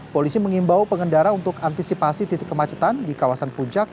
polisi mengimbau pengendara untuk antisipasi titik kemacetan di kawasan puncak